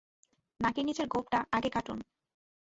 নাকের নীচের গোঁপটা আগে কাটুন।